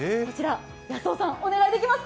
康雄さんお願いできますか。